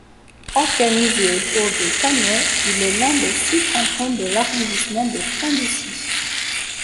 Organisé autour de Tannay, il est l'un des six cantons de l'arrondissement de Clamecy.